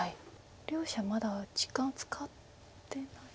両者まだ時間使ってない。